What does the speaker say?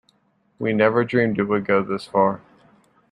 We never dreamed it would go this far.